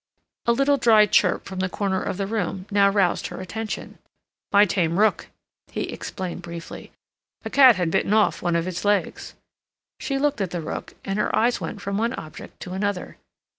A little dry chirp from the corner of the room now roused her attention. "My tame rook," he explained briefly. "A cat had bitten one of its legs." She looked at the rook, and her eyes went from one object to another.